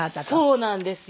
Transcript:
そうなんですよ。